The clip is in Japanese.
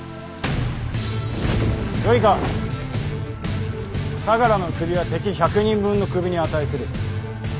よいか相楽の首は敵１００人分の首に値する。